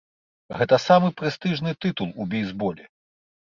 Гэта самы прэстыжны тытул у бейсболе.